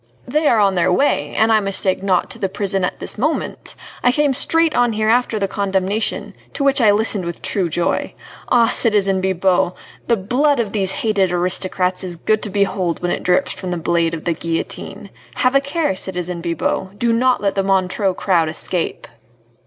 "They are on their way, an I mistake not, to the prison at this moment. I came straight on here after the condemnation, to which I listened with true joy. Ah, citizen Bibot! the blood of these hated aristocrats is good to behold when it drips from the blade of the guillotine. Have a care, citizen Bibot, do not let the Montreux crowd escape!"